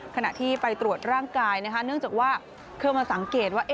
ขณะที่ไปตรวจร่างกายเนื่องจากว่าเธอมาสังเกตว่า